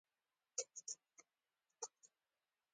دوی د ځنګلي اورونو څارنه هم کوي